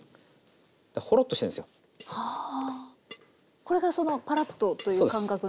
これがそのパラッとという感覚の。